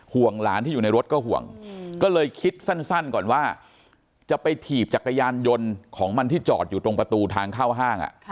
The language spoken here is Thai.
ห่วงหลานที่อยู่ในรถก็ห่วงก็เลยคิดสั้นก่อนว่าจะไปถีบจักรยานยนต์ของมันที่จอดอยู่ตรงประตูทางเข้าห้าง